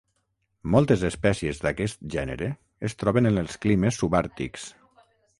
Moltes espècies d'aquest gènere es troben en els climes subàrtics.